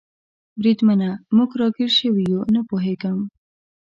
بریدمنه، موږ را ګیر شوي یو؟ نه پوهېږم.